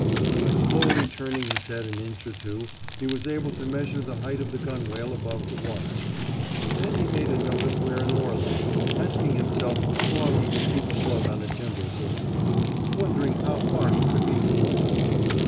By slowly turning his head an inch or two he was able to measure the height of the gunwale above the water. Then he made note of where an oar lay, asking himself how long he could keep afloat on a timber so small, wondering how far he could be from land.